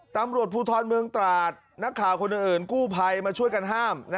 ตำรวจภูทรเมืองตราดนักข่าวคนอื่นกู้ภัยมาช่วยกันห้าม